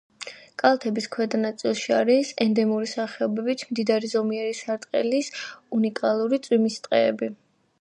კალთების ქვედა ნაწილში არის ენდემური სახეობებით მდიდარი ზომიერი სარტყლის უნიკალური წვიმის ტყეები.